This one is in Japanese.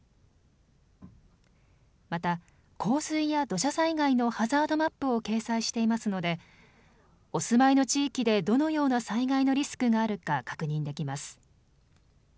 また、洪水や土砂災害のハザードマップを掲載していますのでお住まいの地域でどのような災害のリスクがあるか確認できます。